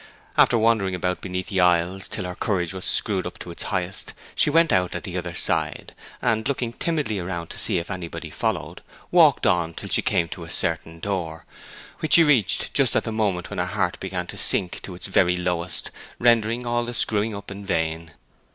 After wandering about beneath the aisles till her courage was screwed to its highest, she went out at the other side, and, looking timidly round to see if anybody followed, walked on till she came to a certain door, which she reached just at the moment when her heart began to sink to its very lowest, rendering all the screwing up in vain.